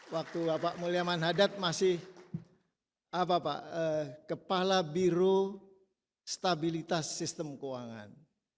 waktu bapak muliaman hadad masih kepala biro stabilitas sistem keuangan